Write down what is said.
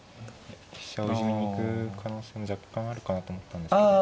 飛車をいじめに行く可能性も若干あるかなと思ったんですけど。